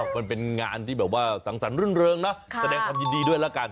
อ้าวมันเป็นงานที่แบบว่าสังสรรภ์เรื่องนะแสดงคำยินดีด้วยละกัน